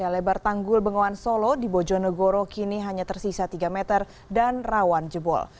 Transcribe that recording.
lebar tanggul bengawan solo di bojonegoro kini hanya tersisa tiga meter dan rawan jebol